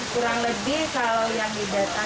kurang lebih kalau yang di data saya itu